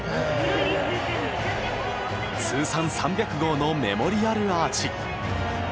通算３００号のメモリアルアーチ。